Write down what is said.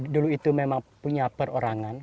dulu itu memang punya perorangan